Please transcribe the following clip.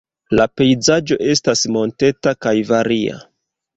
La pejzaĝo estas monteta kaj varia.